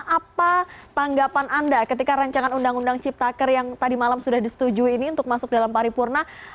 apa tanggapan anda ketika rancangan undang undang ciptaker yang tadi malam sudah disetujui ini untuk masuk dalam paripurna